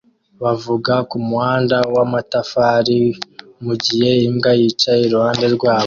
bavuga kumuhanda wamatafari mugihe imbwa yicaye iruhande rwabo